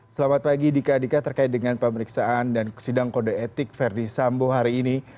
selamat pagi dika dika terkait dengan pemeriksaan dan sidang kode etik verdi sambo hari ini